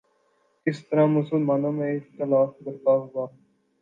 اور اس طرح مسلمانوں میں اختلاف برپا ہوا